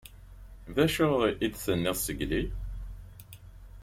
D acu i d-tenniḍ zgelli?